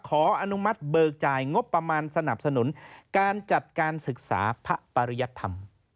อนุมัติเบิกจ่ายงบประมาณสนับสนุนการจัดการศึกษาพระปริยธรรม